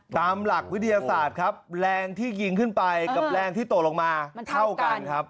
ตามหลักวิทยาศาสตร์ครับแรงที่ยิงขึ้นไปกับแรงที่ตกลงมาเท่ากันครับ